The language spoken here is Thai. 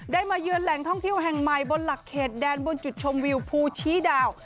มาเยือนแหล่งท่องเที่ยวแห่งใหม่บนหลักเขตแดนบนจุดชมวิวภูชี้ดาว